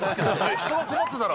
人が困ってたら。